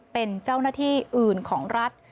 เป็นเจ้าหน้าที่อื่นของรัฐ